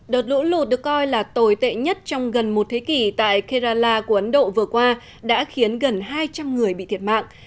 đợt lũ lụt được coi là tồi tệ nhất trong gần một thế kỷ tại kerrallah của ấn độ vừa qua đã khiến gần hai trăm linh người bị thiệt mạng